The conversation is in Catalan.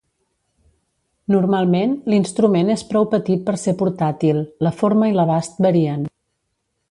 Normalment l'instrument és prou petit per ser portàtil; la forma i l'abast varien.